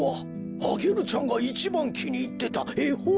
アゲルちゃんがいちばんきにいってたえほんじゃ。